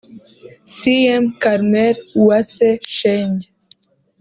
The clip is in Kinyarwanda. cm Carmel Uwase Shenge